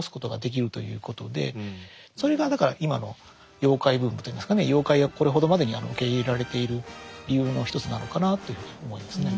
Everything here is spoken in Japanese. まさにそれがだから今の妖怪ブームといいますかね妖怪がこれほどまでに受け入れられている理由の一つなのかなというふうに思いますね。